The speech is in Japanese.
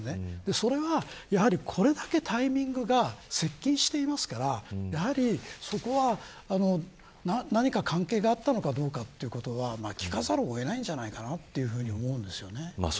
それはやはりこれだけタイミングが接近していますからやはりそこは、何か関係があったのかどうかということは聞かざるを得ないんじゃないかなというふうに思います。